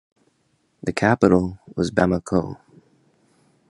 The capital was Bamako.